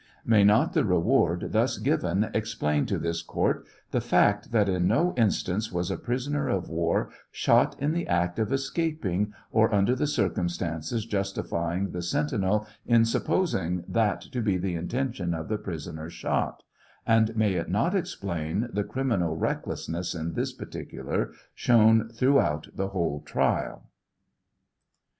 May not the reward tlius given explain to this court the fact that in no instance was a prisoner of war shot in the act of escaping or under circumstances justifying the sentinel in supposing that to be the intention of the prisoner shot ; and may it not explain the criminal recklessness in this particular shown through out the whole trial